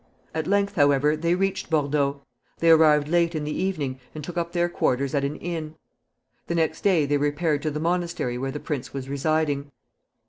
At length, however, they reached Bordeaux. They arrived late in the evening, and took up their quarters at an inn. The next day they repaired to the monastery where the prince was residing.